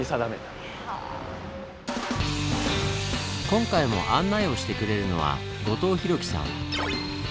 今回も案内をしてくれるのは後藤宏樹さん。